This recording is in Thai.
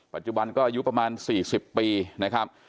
ปัจจุบันก็อายุประมาณ๔๐ปีนะครับ